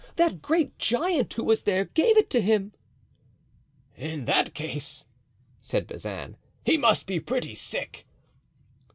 That great giant who was there gave it to him." "In that case," said Bazin, "he must be pretty sick."